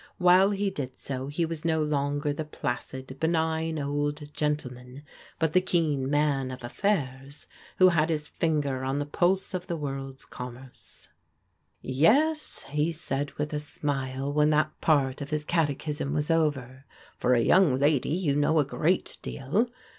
While he did so he was no longer the placid, benign old gentle man, but the keen man of affairs, who had his finger on the pulse of the wotVd's commRxcfc. tt tt AT SPURLING AND KING'S 337 "Yes," he said with a smile when that part of his satechism was over, " for a young lady you know a great 3eal.